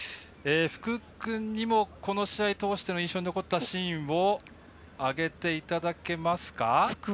福くんにもこの試合を通して印象に残ったシーンを挙げていただけますか？